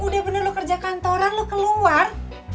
udah bener lu kerja kantoran lo keluar